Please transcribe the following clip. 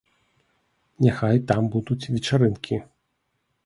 Няхай там будуць вечарынкі.